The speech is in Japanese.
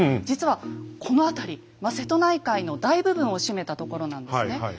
実はこの辺り瀬戸内海の大部分を占めたところなんですね。